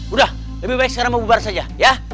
udah lebih baik sekarang mau bubar saja ya